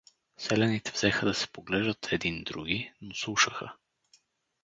Селяните взеха да се поглеждат един други, но слушаха.